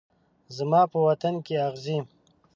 زما په وطن کې اغزي